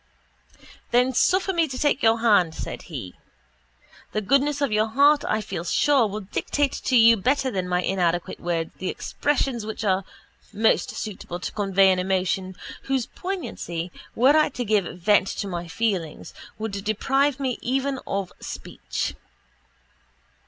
—Then suffer me to take your hand, said he. The goodness of your heart, I feel sure, will dictate to you better than my inadequate words the expressions which are most suitable to convey an emotion whose poignancy, were I to give vent to my feelings, would deprive me even of speech.